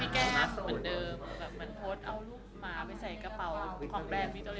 แบบมันโพสต์เอาลูกหมาไปใส่กระเป๋าของแบรนด์